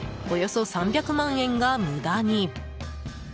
およそ３００万円が無駄に。